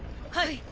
はい。